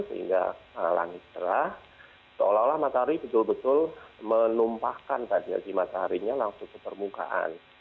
sehingga langit terah seolah olah matahari betul betul menumpahkan pada mataharinya langsung ke permukaan